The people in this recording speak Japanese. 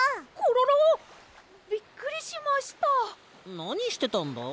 なにしてたんだ？